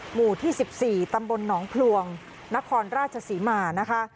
หมู่ที่๑๔ตำบลหนองพลวงนครราชศรีมานะคะ